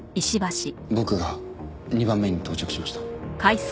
僕が２番目に到着しました。